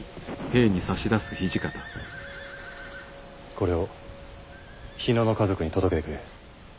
これを日野の家族に届けてくれ。